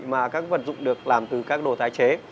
mà các vật dụng được làm từ các đồ tái chế